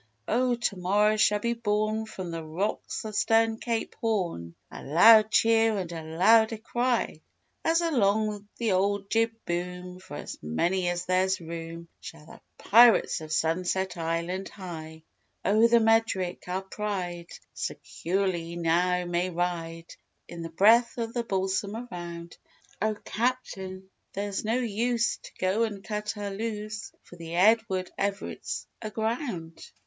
Oh, to morrow shall be borne from the rocks of stern Cape Horn A loud cheer and a louder cry, As along the old jib boom, for as many as there's room, Shall the pirates of Sunset Island hie. Oh, the Medric, our pride, securely now may ride, In the breath of the balsam around, "Oh, Captain, there's no use, to go and cut her loose, For the Edward Everett's aground."